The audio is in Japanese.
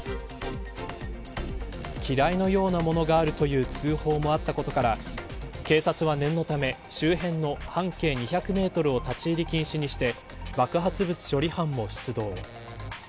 機雷のようなものがあるという通報もあったことから警察は念のため周辺の半径２００メートルを立ち入り禁止にして爆発物処理班も出動。